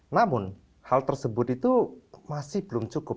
namun hal tersebut itu masih belum cukup